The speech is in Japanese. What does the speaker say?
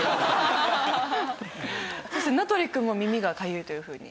名取くんも耳がかゆいというふうに。